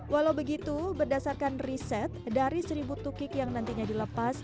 walau begitu berdasarkan riset dari seribu tukik yang nantinya dilepas